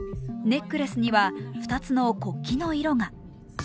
ネックレスには２つの国旗の色が。